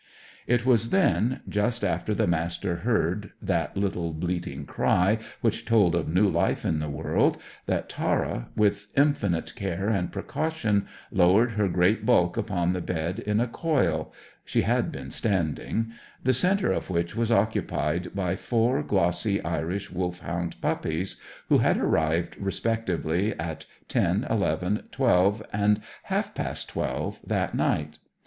It was then, just after the Master heard that little bleating cry which told of new life in the world, that Tara, with infinite care and precaution, lowered her great bulk upon the bed in a coil she had been standing the centre of which was occupied by four glossy Irish Wolfhound puppies, who had arrived respectively at ten, eleven, twelve, and half past twelve that night.